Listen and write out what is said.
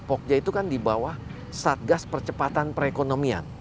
pogja itu kan di bawah satgas percepatan perekonomian